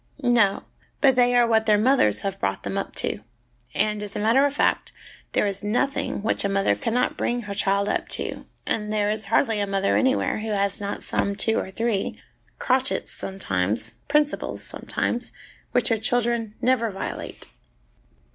No, but they are what their mothers have brought them up to ; and as a matter of fact, there is nothing which a mother cannot bring her child up to, and there is 106 HOME EDUCATION hardly a mother anywhere who has not some two or three crotchets sometimes, principles sometimes which her children never violate.